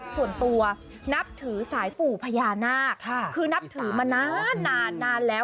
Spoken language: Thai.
ส่วนตัวนับถือสายปู่พญานาคคือนับถือมานานนานแล้ว